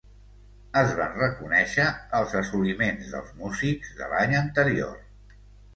Es van reconèixer els assoliments dels músics de l'any anterior.